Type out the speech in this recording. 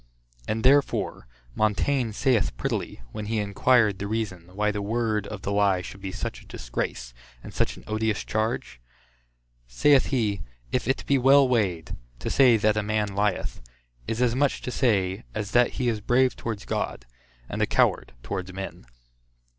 And therefore Montaigne saith prettily, when he inquired the reason, why the word of the lie should be such a disgrace, and such an odious charge? Saith he, If it be well weighed, to say that a man lieth, is as much to say, as that he is brave towards God, and a coward towards men.